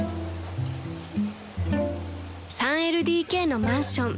［３ＬＤＫのマンション］